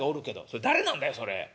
「それ誰なんだよそれ」。